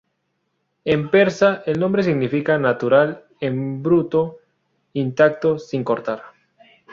En persa el nombre significa: natural, en bruto, intacto, sin cortar.